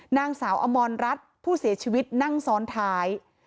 นางสาวอมรรัฐผู้เสียชีวิตนั่งซ้อนท้าย